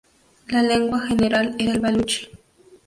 La lengua general era el baluchi.